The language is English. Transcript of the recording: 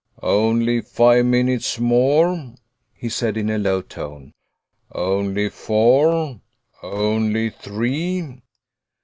"Only five minutes more," he said in a low tone, "only four, only three."